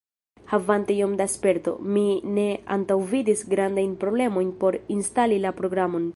Havante iom da sperto, mi ne antaŭvidis grandajn problemojn por instali la programon.